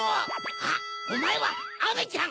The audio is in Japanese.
あっおまえはアメちゃん！